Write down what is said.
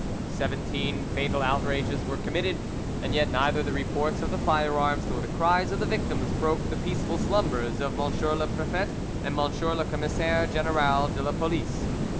Seventeen fatal outrages were committed, and yet neither the reports of the firearms nor the cries of the victims broke the peaceful slumbers of M. le Prefet and M. le Commissaire General de la Police.